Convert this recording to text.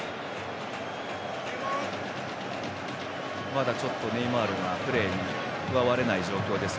まだちょっとネイマールがプレーに加われない状況です。